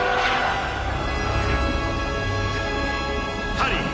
ハリー！